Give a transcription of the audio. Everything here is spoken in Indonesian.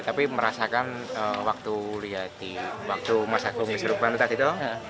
tapi merasakan waktu lihat di waktu masak umis lubang itu tadi dong